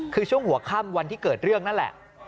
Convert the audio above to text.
คือช่วงหัวค่ำวันที่เกิดเรื่องนั่นแหละ